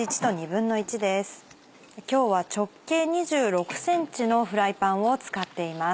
今日は直径２６ｃｍのフライパンを使っています。